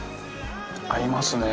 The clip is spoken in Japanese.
合いますね